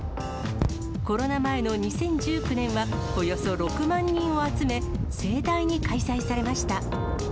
コロナ前の２０１９年はおよそ６万人を集め、盛大に開催されました。